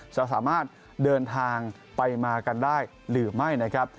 จะสามารถเดินทางไปมากันได้หรือไม่นะครับ